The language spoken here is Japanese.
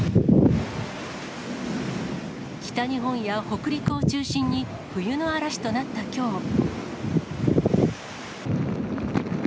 北日本や北陸を中心に、冬の嵐となったきょう。